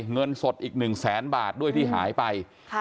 เงินสดอีก๑แสนบาทด้วยที่หายไป